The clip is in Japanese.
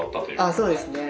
ああそうですね。